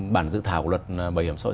bản dự thảo luật bảo hiểm xã hội